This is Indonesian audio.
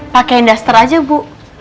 pake indaster aja bu